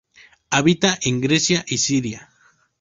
Habita en Grecia y Siria.